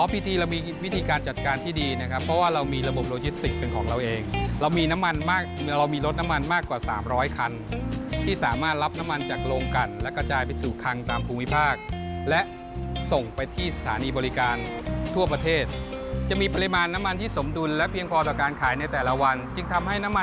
พิธีเรามีวิธีการจัดการที่ดีนะครับเพราะว่าเรามีระบบโลจิสติกเป็นของเราเองเรามีน้ำมันมากเรามีรถน้ำมันมากกว่า๓๐๐คันที่สามารถรับน้ำมันจากโรงกันและกระจายไปสู่คังตามภูมิภาคและส่งไปที่สถานีบริการทั่วประเทศจะมีปริมาณน้ำมันที่สมดุลและเพียงพอต่อการขายในแต่ละวันจึงทำให้น้ำมัน